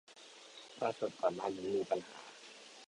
ส่วนถ้าก่อนหน้านี้มีปัญหา